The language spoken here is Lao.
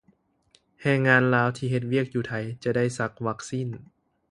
ແຮງງານລາວ ທີ່ເຮັດວຽກຢູ່ໄທຈະໄດ້ສັກວັກຊີນ